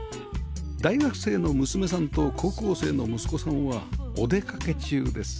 大学生の娘さんと高校生の息子さんはお出かけ中です